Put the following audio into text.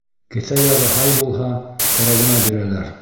Кеҫә яғы һай булһа, кәрәгенә бирәләр.